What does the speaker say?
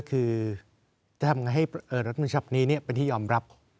ก็คือจะทำยังไงให้รัฐธรรมนิดนี้เป็นที่ยอมรับ